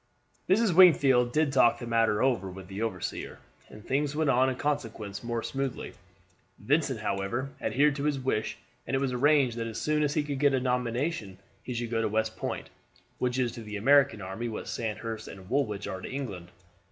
Mrs. Wingfield did talk the matter over with the overseer, and things went on in consequence more smoothly. Vincent, however, adhered to his wish, and it was arranged that as soon as he could get a nomination he should go to West Point, which is to the American army what Sandhurst and Woolwich are to England.